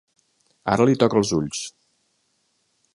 Ara li toca els ulls.